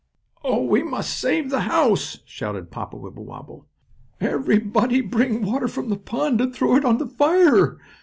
"Oh, we must save the house!" shouted Papa Wibblewobble. "Everybody bring water from the pond and throw it on the fire!"